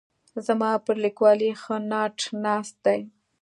زما پر لیکوالۍ ښه ناټ ناست دی.